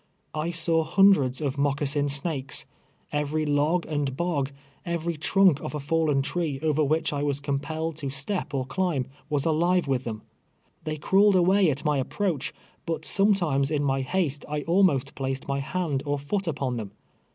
I saw hundreds of moccasin snakes. Every log and bog — every trunk of a fidlen tree, over which I was compelled to step or climb, was alive with them. They crawled away at my ap proach, but sometimes in my haste, I almost placed my hand or f<:)ot upon them.